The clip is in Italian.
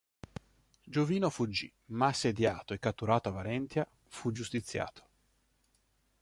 Giovino fuggì, ma assediato e catturato a Valentia, fu giustiziato.